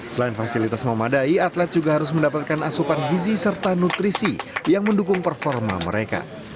selain fasilitas memadai atlet juga harus mendapatkan asupan gizi serta nutrisi yang mendukung performa mereka